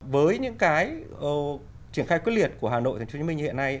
với những cái triển khai quyết liệt của hà nội thành phố nhân minh hiện nay